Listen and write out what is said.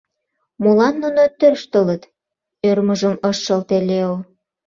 «Молан нуно тӧрштылыт?» – ӧрмыжым ыш шылте Лео.